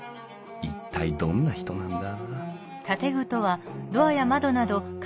一体どんな人なんだ？